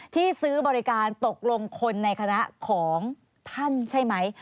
ที่ซื้อบริการตกลงคนในคณะของท่านใช่ไหม